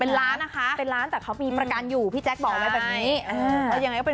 เป็นล้านนะคะเป็นล้านแต่เขามีประการอยู่พี่แจ๊คบอกไว้แบบนี้